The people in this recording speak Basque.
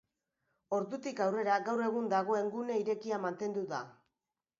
Ordutik aurrera gaur egun dagoen gune irekia mantendu da.